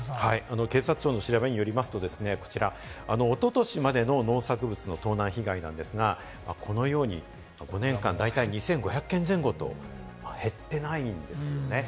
警察庁の調べによると、おととしまでの農作物の盗難被害ですが、このように５年間、大体２５００件前後と減ってないんですよね。